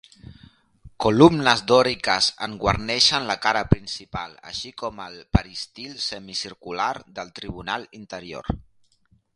Columnes dòriques en guarneixen la cara principal així com el peristil semicircular del tribunal interior.